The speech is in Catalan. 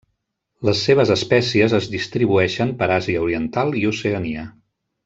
Les seves espècies es distribueixen per Àsia Oriental i Oceania.